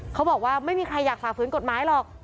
เขาบอกว่าไม่มีใครอยากฝ่าฝืนกฎหมายหรอก